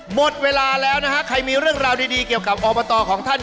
หมดเวลาแล้วนะฮะใครมีเรื่องราวดีเกี่ยวกับอบตของท่าน